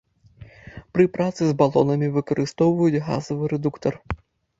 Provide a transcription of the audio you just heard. Пры працы з балонамі выкарыстоўваюць газавы рэдуктар.